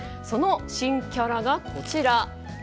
その新キャラがこちら。